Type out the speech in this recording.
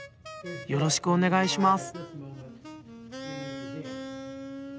よろしくお願いします。